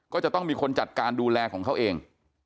ก็จะต้องมีคนจัดการดูแลของเขาเอง